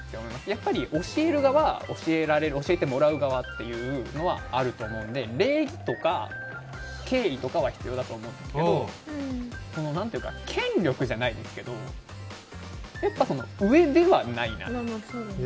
やっぱり教える側教えてもらう側っていうのはあると思うので礼儀とか敬意とかは必要だと思うんですけど権力じゃないですけど上ではないなって。